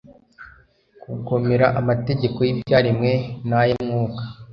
Kugomera Amategeko yIbyaremwe naya Mwuka